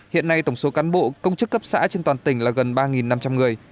hiện nay tổng số cán bộ công chức cấp xã trên toàn tỉnh là gần ba năm trăm linh người